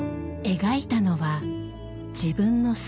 描いたのは自分の姿。